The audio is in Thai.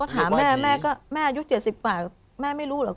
ถามแม่แม่ก็แม่อายุ๗๐กว่าแม่ไม่รู้เหรอ